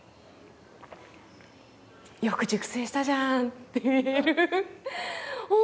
よく熟成したじゃん！っていう。